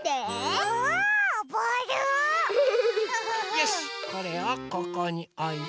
よしこれをここにおいて。